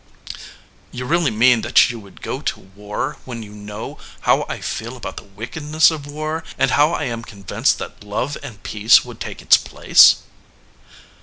"You really mean that you would go to war when you know how I feel about the wickedness of war and how I am convinced that love and peace would take its place?"